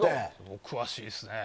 お詳しいですね。